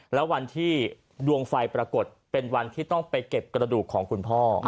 แล้ววันที่ดวงไฟปรากฏเป็นวันที่ต้องไปเก็บกระดูกของคุณพ่อ